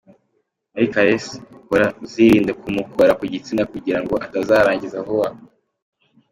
Muri Caresse ukora uzirinde kumukora ku gitsina kugira ngo atarangiza vuba.